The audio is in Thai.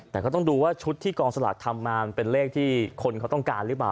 แต่ก็ต้องดูว่าชุดที่กองสลากทำมามันเป็นเลขที่คนเขาต้องการหรือเปล่า